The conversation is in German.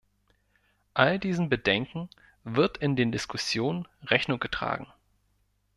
All diesen Bedenken wird in den Diskussionen Rechnung getragen.